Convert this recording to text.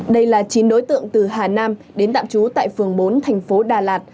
đây là chín đối tượng từ hà nam đến tạm trú tại phường bốn thành phố đà lạt